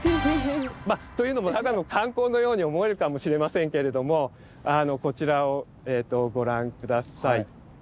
まあというのもただの観光のように思えるかもしれませんけれどもこちらをご覧下さい。